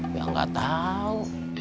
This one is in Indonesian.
ya nggak tahu